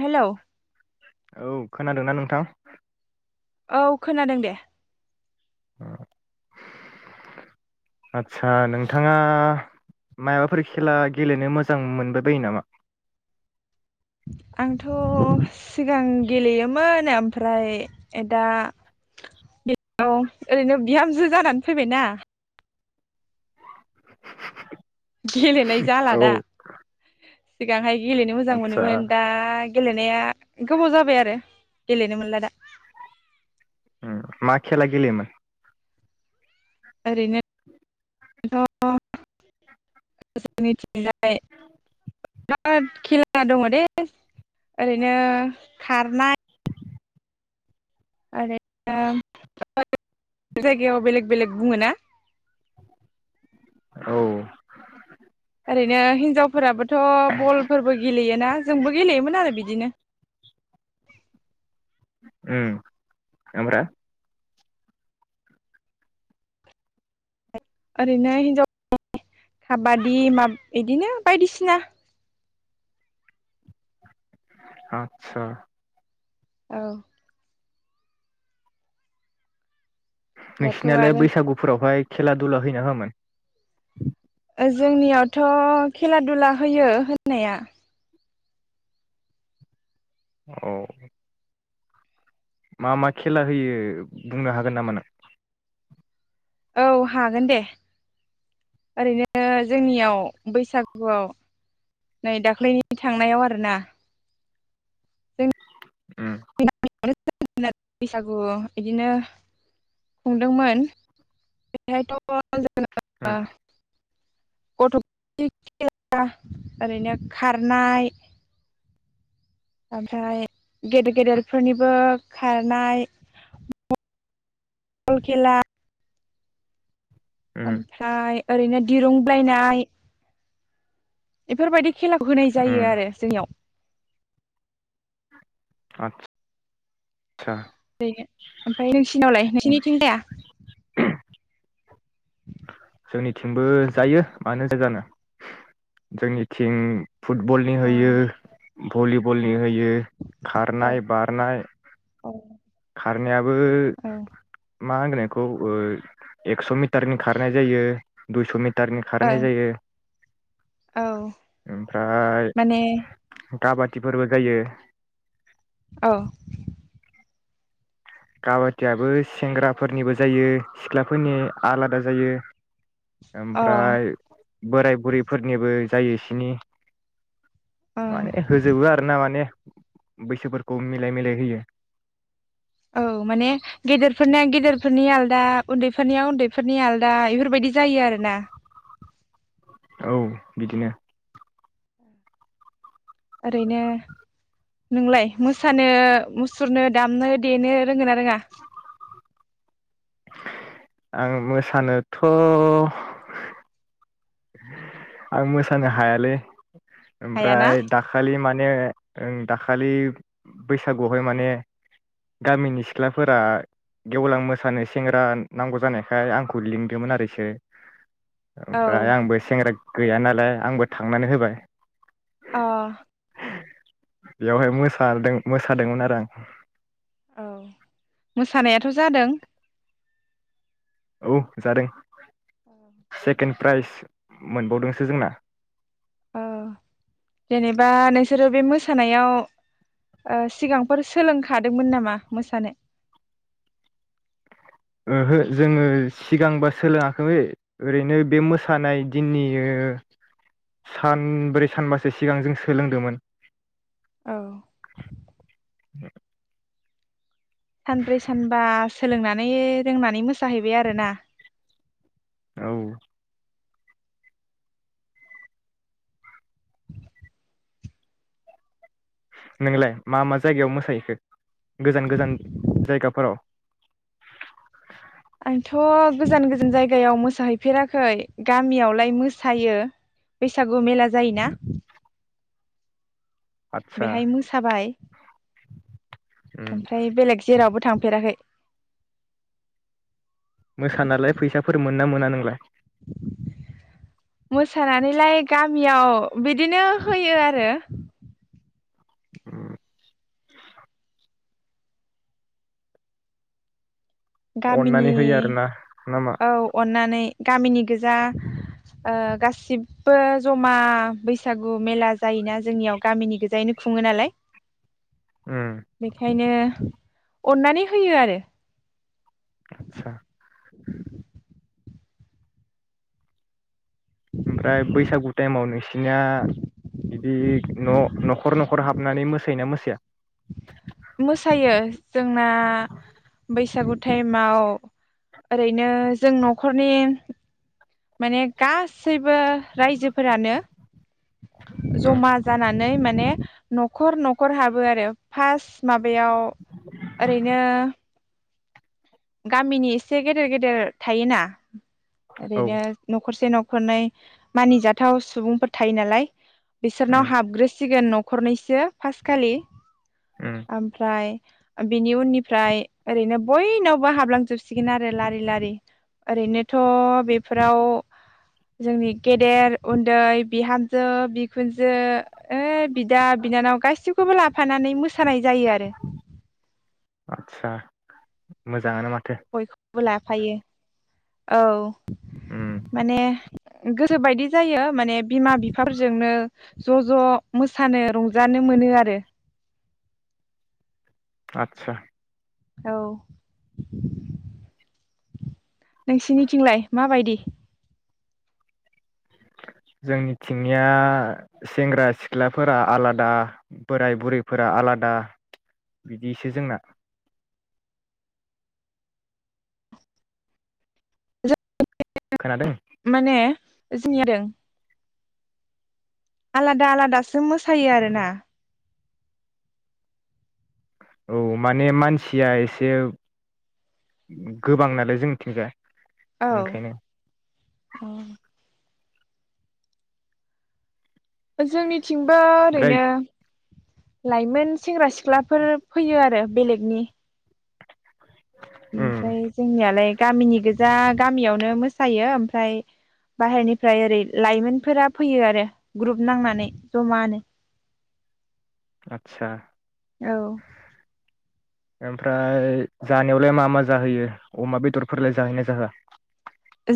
Hello. औ खोनादों ना नोंथां? औ खोनादों दे। आदसा नोंथाङा मायबाफोर खेला गेलेनो मोजां मोनबाय बायो नामा? आंथ' सिगां गेलेयोमोन ओमफ्राय दा [inaudible] ओरैनो बिहामजो जानानै फैबायना। गेलेनाय जाला औ दा सिगांहाय गेलेनो मोजां आदसा मोनोमोन दा। गेलेनाया गोबाव जाबाय आरो गेलेनो मोनला दा मा खेला गेलेयोमोन? ओरैनोथ जोंनिथिंजाय बिराद खेला दङ दे ओरैनो खारनाय [inaudible] आरैनो बेलेग-बेलेग जायगायाव बेलेग बेलेग बुङो ना। औ। ओरैनो हिनजावफोराबोथ' बल फोरबो गेलेयोना जोंबो गेलेयोमोन आरो बिदिनो उम ओमफ्राय ओरैनो हिनजावफोरनि खाबादि इदिनो बायदिसिना आतसा। औ। दाथ' नोंसिनालाय आरो बैसागुफोरावहाय खेला दुला होयोना हाआमोन? ओ जोंनियावथ' खेला दुला होयो होनाया औ। मा मा खेला होयो बुंनो हागोन नामा नों? औ हागोन दे ओरैनो जोंनियाव बैसागुआव नै दाख्लैनि थांनायाव आरोना। [inaudible] उम बैसागु बिदिनो खुंदोंमोन बेहायथ' उम। गथ'फोरनि खेला ओरैनो खारनाय ओमफ्राय गेदेर-गेदेरफोरनिबो खारनाय बल खेला उम ओमफ्राय ओरैनो दिरुं बोलायनाय बेफोरबायदि खेलाखौ होनाय जायो उम आरो जोंनियाव आथसा ओरैनो ओमफ्राय नोंसिनावलाय नोंसिनिथिं जाया। [inaudible] जोंनि थिंबो जायो मानो जाया जानो जोंनिथिं फुटबलनि अ होयो भलिबलनि हो यो औ खारनाय बारनाय औ। खारनायाबो औ मा होनगोन इखौ एकस' मिटारनि खारनाय जायो दुइस' मि टारनि खारनाय ओं जायो। औ माने काबाथि फोरबो जायो औ। काबादियाबो सेंग्राफोरनिबो जायो सिख्लाफोरनि आलादा जायो। अ ओमफ्राय बोराय बुरैफोरनिबो जायोसनि अ माने होजोबो आरो ना माने बैसोफोरखौ मिलाय मिलाय होयो औ माने गेदेरफोरनिया गेदेरफोरनि आलदा उन्दैफोरनिया उन्दैफोरनि आलदा बेफोरबायदि जायो आरोना। औ बिदिनो! ओरैनो नोंलाय मोसानो मुसुरनो दामनो देनो रोंङोना रोङा। आं मोसानोथ' आं मोसानो हायालै हायाना ओमफ्राय दाखालि मा माने दाखालि बैसागुआवहाय माने गामिनि सिख्लाफोरा गेवलां मोसानो सेंग्रा नांगौ जानायखाय आंखौ लिंदोंमोन आरोसो औ ओ आंबो सेंग्रा गैया नालाय आंबो थांनानै होबाय अ। बेयावहाय मोसादों मोसादोंमोन आरो आं। औ मोसानायाथ' जादों। औ जादों। अ सेकेन्ड प्राइज मोनबावदोंसो जोंना औ जेनेबा नोंसोरो बे मोसानायाव सिगांफोर सोलोंखादोंमोन नामा मोसानो ओहो जोङो सिगांबा सोलोङाखै ओरैनो बे मोसानाय दिननि सानब्रै सानबासो सिगां जों सोलोंदोंमोन औ [inaudible] सानब्रै सानबा सोलोंनानै रोंनानै मोसाहैबाय आरोना औ नोंलाय मा मा जायगायाव मोसाहैखो गोजान गोजान जायगाफोराव आंथ' गोजान गोजान जायगायाव मोसाहैफेराखै गामियावलाय मोसायो बैसागु मेला जायोना आदसा बेहाय मोसाबाय उम ओमफ्राय बेलेग जेरावबो थांफेराखै मोसानालाय फैसाफोर मोनो मोना नों [unintelligible] मोसानानैलाय गामियाव बिदिनो होयो आरो उम गामिनि अननानै होयो आरोना नामा औ अननानै गामिनि गोजा गासिबो ओ जमा बैसागु मेला जायोना जोंनियाव गामिनि गोजायैनो खुङो नालाय उम बेखायनो अननानै होयो आरो आतसा [unintelligible] ओमफ्राय बैसागु टाइमाव नोंसिनिया इदि न' न'खर न'खर हाबनानै मोसायोना मोसाया? मोसायो जोंना बैसागु टाइमाव ओरैनो जों न'खरनि माने गास सैबो रायजोफोरानो उम जमा जानानै मा ने न'खर न'खर हाबो आरो फास्थ बेयाव ओरैनो गामिनि एसे गेदेर गेदेर थायोना औ ओरैनो न'खरसे न' खरनै मानिजाथाव सुबुंफोर थायो नालाय उम बिसोरनाव हाबग्रोस सिगोन न'खरनैसो फास्टखालि उम ओमफ्राय बिनि उननिफ्राय ओरैनो बयनावबो हाबलांजोबसिगोन आरो लारि लारि ओरैनोथ' बेफोराव जोंनि गेदेर उन्दै बिहामजो बिखुनजो ओ बिदा बिनानाव गासैखौबो लाफानानै मोस सानाय जायो आरो सा मोजाङानो मा बय बो लाफायो औ उम माने गोसो बायदि जायो माने बिमा बिफाफोरजोंनो ज' ज' मोसानो रंजानो मोनो आरो आतसा औ नोंसिनिथिंलाय माबायदि? जोंनिथिंनिया सेंग्रा सिख्लाफोरा आलादा बोराय बुरैफोरा आलादा बिदिसो जोंना। ज खोनादों [unintelligible] माने [unintelligible] आलादा आलादासो मोसायो आरोना? औ माने मानसिया एसे गोबां नालाय जोंनिथिंजाय औ ओंखायनो औ जोंनि थिंबो ओमफ्राय ओरैनो लाइमोन सेंग्रा सिख ख्लाफोर फैयो आरो बेलेगनि उम ओमफ्राय जोंनियालाय गामिनि गो जा गामियावनो मोसायो ओमफ्राय बाहेरनिफ्राय ओरै लाइमोनफोरा फैयो आरो ग्रुप नांनानै जमानो। आतसा औ ओमफ्राय जानायावलाय मा मा जाहोयो अमा बेदरफोरलाय जाहैनाय जाहोआ?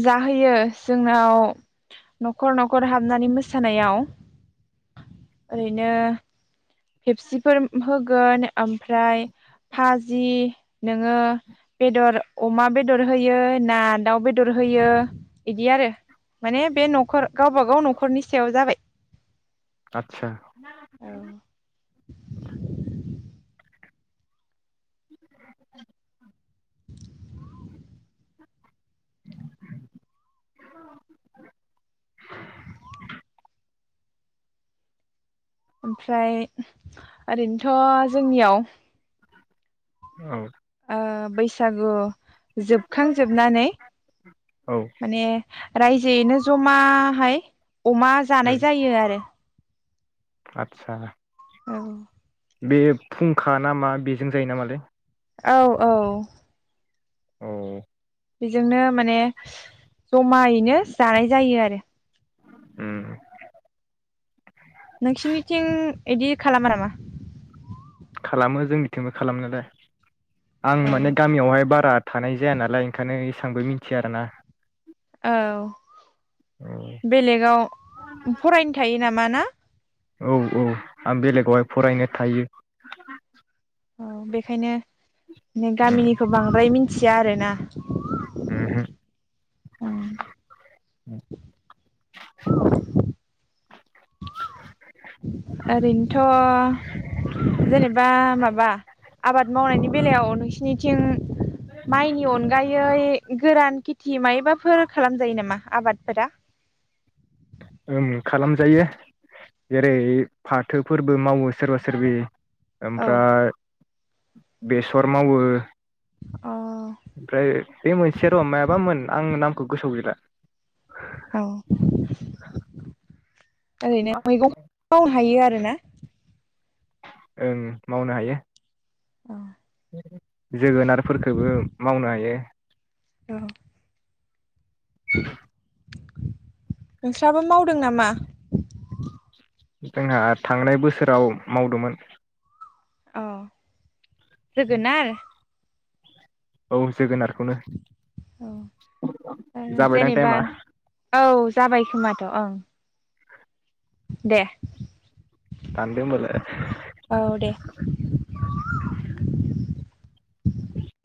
जाहोयो जोंनाव न'खर न'खर हाबनानै मोसानायाव ओरैनो फेपसिफोर होगोन ओमफ्राय भाजि नोङो बेदर अमा बेदर होयो ना दाउ बेदर बेदर होयो इदि आरो माने बे न'खर गावबा गाव न'खरनि सायाव जाबाय आतसा [inaudible] [inaudible] ओमफ्राय ओरैनोथ' जोंनियाव औ ओ बैसागु जोबखांजोबनानै औ माने रायजोयैनो जमाहाय अमा जानाय जायो आरो। आतसा औ बे फुंखा ना मा बेजों जायो नामालोय? औ-औ औ बेजोंनो माने जमायैनो जानाय जायो आरो ओम नोंसोरनिथिं इदि खालामा नामा खालामो जों मिथिंबो खालाम नालाय आं औ माने गामियावहाय बारा थानाय जाया नालाय ओंखायनो एसबांबो मिथिया आर ना औ बेलेगाव फरायनो थायो नामा ना औ औ आं बेलेगावहाय फरायनो थायो औ बेखायनो गामिनिखौ बांद्राय मिथि मिथिया आरोना ओमहो [unintelligible] ओरैनोथ' जेनेबा माबा आबाद मावनायनि बेलायाव नोंसि निथिं माइनि अनगायै गोरान थि मबाफोर खालामजायो नामा आबादफोरा खालामजायो जेरै फाथोफोरबो मावो सोरबा सोरबि औ ओमफ्राय बेसर मावो अ ओमफ्राय बे मोनसे र' मायाबामोन आं नाम गोसोआव गैला औ ओरैनो मैगं मावनो हायो आरोना ओं मावनो हायो औ जोगोनारफोरखौबो मावनो हायो औ [inaudible] नोंस्राबो मावदों नामा जोंहा थांनाय बोसोराव मावदोंमोन औ जोगोनार औ जोगोनार जाबायदां जेनेबा टाइमा औ जाबाय खोमाथ' ओं दे दानदो होनबालाय औ दे [inaudible]